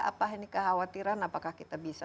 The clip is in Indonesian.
apa ini kekhawatiran apakah kita bisa